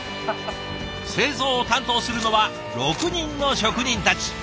製造を担当するのは６人の職人たち。